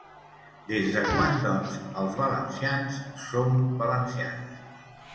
Des de quan, doncs, els valencians som valencians?